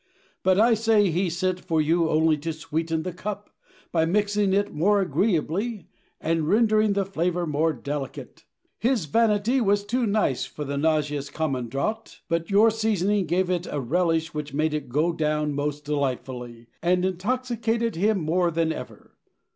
But I say he sent for you only to sweeten the cup, by mixing it more agreeably, and rendering the flavour more delicate. His vanity was too nice for the nauseous common draught; but your seasoning gave it a relish which made it go down most delightfully, and intoxicated him more than ever.